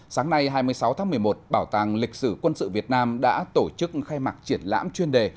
sáng nay hai mươi sáu tháng một mươi một bảo tàng lịch sử quân sự việt nam đã tổ chức khai mạc triển lãm chuyên đề